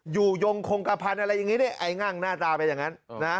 อยู่โยงคงกระพันธุ์อะไรอย่างนี้ไอ้งั่งหน้าตาไปอย่างนั้น